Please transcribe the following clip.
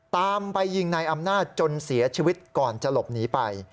ตามไปยิงนายอำนาจจนเสียชีวิตก่อนจะหลบหนีไป